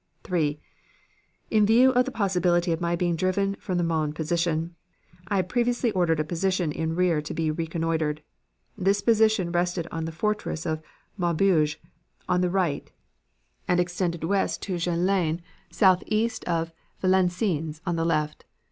"3. In view of the possibility of my being driven from the Mons position, I had previously ordered a position in rear to be reconnoitered. This position rested on the fortress of Maubeuge on the right and extended west to Jenlain, southeast to Valenciennes, on the left.